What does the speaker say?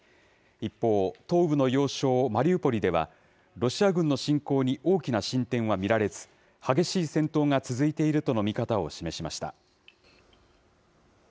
一方、東部の要衝マリウポリでは、ロシア軍の侵攻に大きな進展は見られず、激しい戦闘が続いているとの見方を示しました。